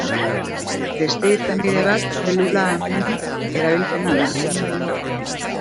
Beste irtenbide bat zelula amen erabilpena da.